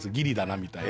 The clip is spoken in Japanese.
みたいな。